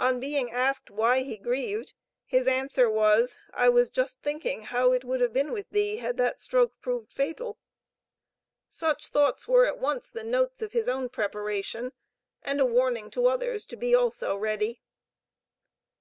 On being asked why he grieved, his answer was: "I was just thinking how it would have been with thee, had that stroke proved fatal." Such thoughts were at once the notes of his own preparation and a warning to others to be also ready.